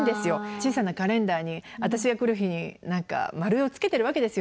小さなカレンダーに私が来る日に何か丸をつけてるわけですよ。